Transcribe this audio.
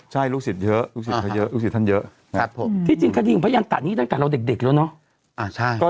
ใช่ลูกศิษย์เยอะลูกศิษย์ท่านเยอะที่จริงค่ะพระยันตะนี้ต้องการเราเด็กแล้วเนอะ